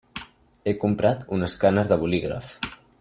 He comprat un escàner de bolígraf.